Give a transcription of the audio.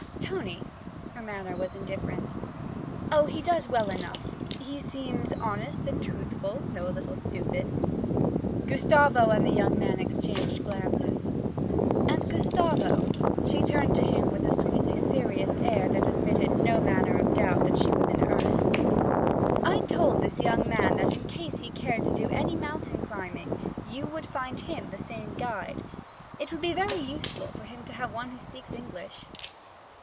'Tony?' Her manner was indifferent. 'Oh, he does well enough; he seems honest and truthful, though a little stupid.' Gustavo and the young man exchanged glances. 'And, Gustavo,' she turned to him with a sweetly serious air that admitted no manner of doubt but that she was in earnest. 'I told this young man that in case he cared to do any mountain climbing, you would find him the same guide. It would be very useful for him to have one who speaks English.'